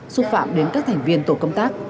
xúc phạm đến các thành viên tổ công tác